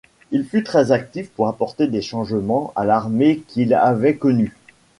Il fut très actif pour apporter des changements à l'armée qu'il avait connue.